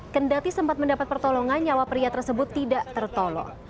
kendati sempat mendapat pertolongan nyawa pria tersebut tidak tertolong